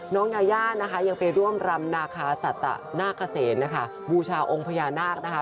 ยาย่านะคะยังไปร่วมรำนาคาสัตนาคเกษมนะคะบูชาองค์พญานาคนะคะ